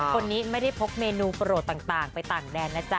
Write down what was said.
คนนี้ไม่ได้พกเมนูโปรดต่างไปต่างแดนนะจ๊